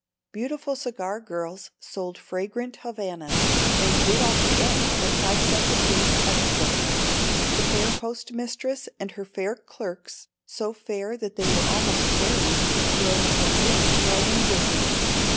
Beautiful cigar girls sold fragrant Havanas, and bit off the ends at five cents apiece, extra. The fair post mistress and her fair clerks, so fair that they were almost fairies, drove a very thriving business.